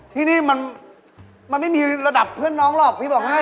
ที่นี่มันไม่มีระดับเพื่อนน้องหรอกพี่บอกให้